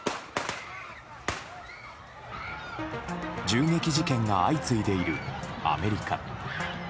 銃撃事件が相次いでいるアメリカ。